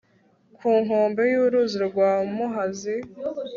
ku nkombe y uruzi rwa muhazi